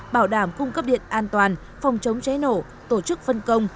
bảo đảm cung cấp điện an toàn phòng chống cháy nổ tổ chức phân công